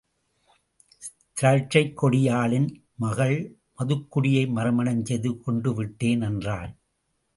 திராட்சைக் கொடியாளின் மகள் மதுக்குட்டியை மறுமணம் செய்து கொண்டுவிட்டேன் என்றான்.